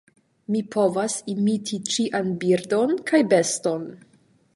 Mi povas imiti ĉian birdon kaj beston.